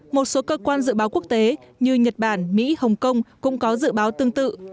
một số cơ quan dự báo quốc tế như nhật bản mỹ hồng kông cũng có dự báo tương tự